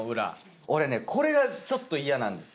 俺これがちょっと嫌なんです。